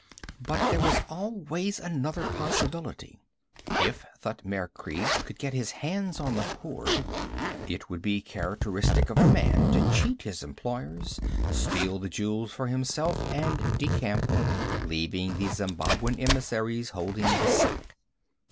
But there was always another possibility: if Thutmekri could get his hands on the hoard, it would be characteristic of the man to cheat his employers, steal the jewels for himself and decamp, leaving the Zembabwan emissaries holding the sack.